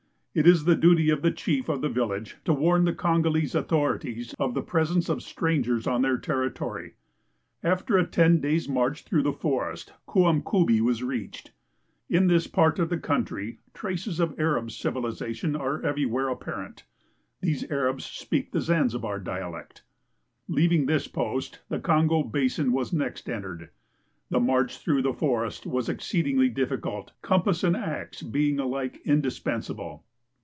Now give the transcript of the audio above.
It is the duty of the chief of the vil lage to warn the Kongolese authorities of the presence of strangers on their territory. After a ten days' march through the forest Kuamkubi was reached. In this part of the country traces of Arab civilization are everywhere apparent ; these Arabs speak the Zanzibar dialect. Leaving this post, the Kongo basin was next entered. The march through the forest was exceedingly difficult, compass and ax being alike indispensable.